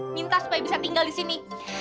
minta supaya bisa tinggal di sini